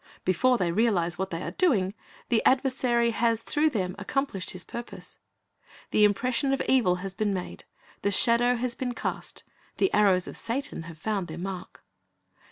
Before they realize what they are doing, the adversary has through them accomplished his purpose. The impression of evil has been made, the shadow has been cast, the arrows of Satan have found their mark.